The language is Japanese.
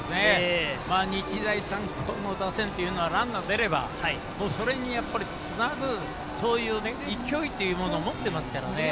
日大三高の打線というのはランナー出れば、それにつなぐそういう勢いというものを持っていますからね。